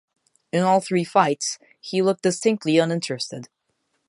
In all three fights he looked distinctly uninterested.